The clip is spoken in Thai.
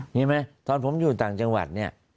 เห็นไหมตอนผมอยู่ต่างจังหวัดเนี่ย